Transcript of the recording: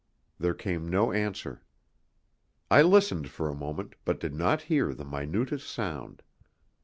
There came no answer. I listened for a moment, but did not hear the minutest sound.